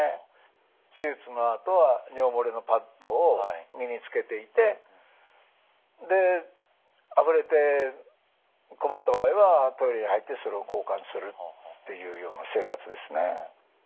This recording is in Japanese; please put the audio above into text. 手術のあとは尿漏れのパッドを身につけていてであふれて困った場合はトイレに入ってそれを交換するっていうような生活ですね。